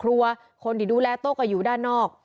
ตำรวจอีกหลายคนก็หนีออกจุดเกิดเหตุทันที